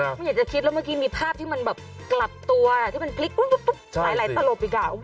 มาอย่าจัดคิดแล้วเมื่อกี้มีภาพกลับตัวฉันมีสายหลายตลอกอีกอย่าง